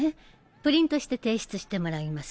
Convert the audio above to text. プリントして提出してもらいます。